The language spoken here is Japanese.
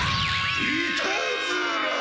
いたずら！